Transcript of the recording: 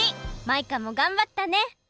マイカもがんばったね！